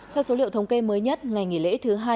theo số liệu thống kê mới nhất ngày nghỉ lễ thứ hai